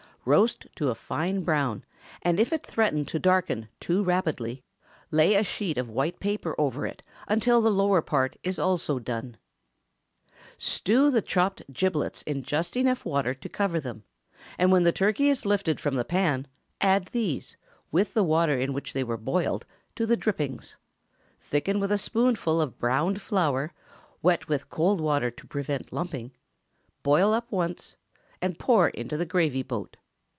Roast to a fine brown, and if it threaten to darken too rapidly, lay a sheet of white paper over it until the lower part is also done. Stew the chopped giblets in just enough water to cover them, and when the turkey is lifted from the pan, add these, with the water in which they were boiled, to the drippings; thicken with a spoonful of browned flour, wet with cold water to prevent lumping, boil up once, and pour into the gravy boat.